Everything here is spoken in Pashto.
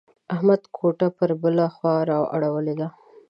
احمد کوټه پر بله خوا را اړولې ده.